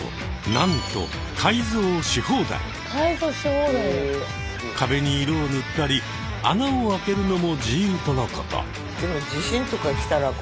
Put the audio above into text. なんと壁に色を塗ったり穴を開けるのも自由とのこと。